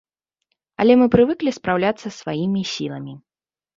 Але мы прывыклі спраўляцца сваімі сіламі.